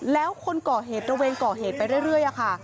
แล้วคนก่อเหตุระเวนก่อเหตุไปเรื่อยค่ะ